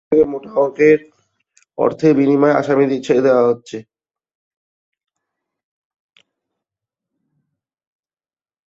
কিন্তু থানা থেকে মোটা অঙ্কের অর্থের বিনিময়ে আসামিদের ছেড়ে দেওয়া হচ্ছে।